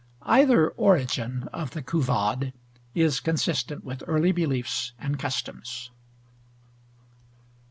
Either origin of the Couvade is consistent with early beliefs and customs.